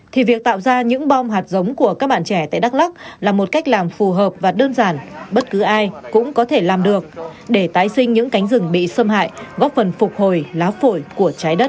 thì việc tạo ra những bom hạt giống của các bạn trẻ tại đắk lắc là một cách làm phù hợp và đơn giản bất cứ ai cũng có thể làm được để tái sinh những cánh rừng bị xâm hại góp phần phục hồi lá phổi của trái đất